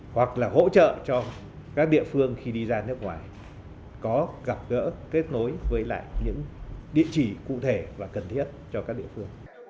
hoặc là hỗ trợ cho các địa phương khi đi ra nước ngoài có gặp gỡ kết nối với lại những địa chỉ cụ thể và cần thiết cho các địa phương